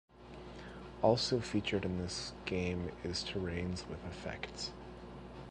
Also featured in this game is terrains with effects.